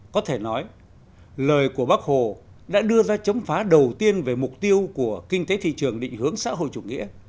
có thể nói lời của bác hồ đã đưa ra chống phá đầu tiên về mục tiêu của kinh tế thị trường định hướng xã hội chủ nghĩa